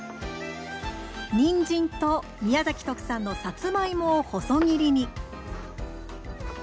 にんじんと宮崎特産のさつまいもを細切りに。